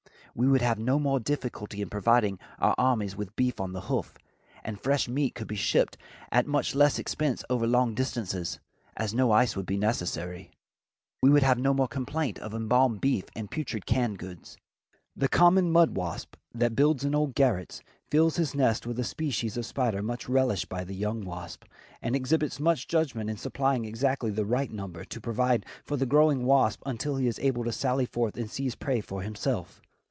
We would have no more difficulty in providing our armies with beef on the hoof, and fresh meat could be shipped at much less expense over long distances, as no ice would be necessary. We would have no more complaint of embalmed beef and putrid canned goods. The common mud wasp that builds in old garrets fills his nest with a species of spider much relished by the young wasp and exhibits much judgment in supplying exactly the right number to provide for the growing wasp until he is able to sally forth and seize prey for himself.